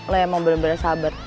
lo emang bener bener sahabat